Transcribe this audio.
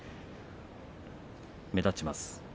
目立ちます。